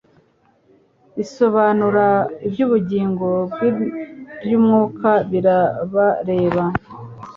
bisobanura iby'ubugingo bw'iby'umwuka birabareba,